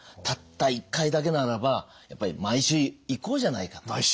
たった一回だけならばやっぱり毎週行こうじゃないかと。